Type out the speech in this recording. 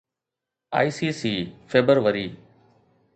ICC February